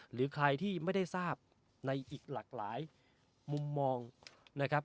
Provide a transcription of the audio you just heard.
หรือใครที่ไม่ได้ทราบในอีกหลากหลายมุมมองนะครับ